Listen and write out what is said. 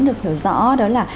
được hiểu rõ đó là